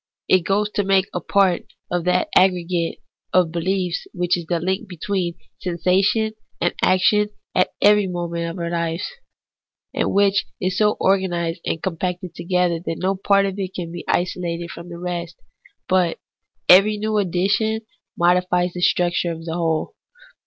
It goes to make a part of that aggregate of behefs which is the link between sensation and action at every moment of all our lives, and which is so organized and compacted together that no part of it can be isolated from the rest, but every new addition modifies the structure of the whole.